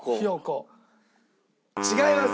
違います。